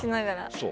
そう。